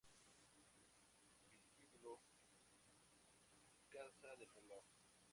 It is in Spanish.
Vestíbulo Casa del Reloj